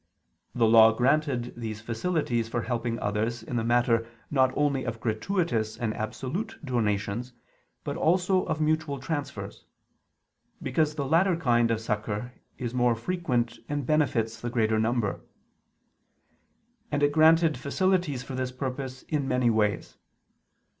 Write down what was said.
The Law granted these facilities for helping others in the matter not only of gratuitous and absolute donations, but also of mutual transfers: because the latter kind of succor is more frequent and benefits the greater number: and it granted facilities for this purpose in many ways.